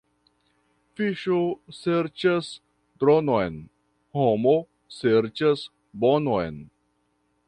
Fiŝo serĉas dronon, homo serĉas bonon.